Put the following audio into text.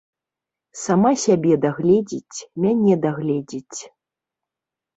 Сама сябе дагледзіць, мяне дагледзіць.